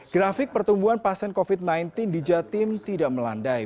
grafik pertumbuhan pasien covid sembilan belas di jatim tidak melandai